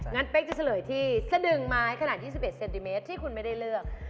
เป๊กจะเฉลยที่สะดึงไม้ขนาด๒๑เซนติเมตรที่คุณไม่ได้เลือก